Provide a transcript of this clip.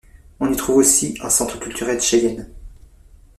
On y trouve aussi un centre culturel Cheyenne.